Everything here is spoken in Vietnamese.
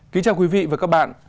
kính chào quý vị và các bạn